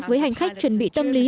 với hành khách chuẩn bị tâm lý